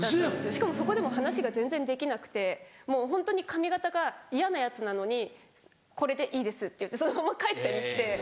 しかもそこでも話が全然できなくてもうホントに髪形が嫌なやつなのに「これでいいです」って言ってそのまま帰ったりして。